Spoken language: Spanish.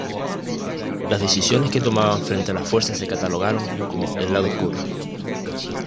Las decisiones que tomaban frente a la Fuerza se catalogaron como "el lado oscuro".